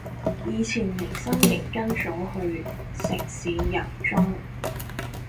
以前迎新營跟組去城市遊蹤